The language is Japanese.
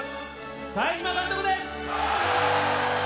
冴島監督です！